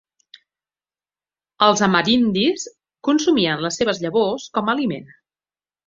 Els amerindis consumien les seves llavors com aliment.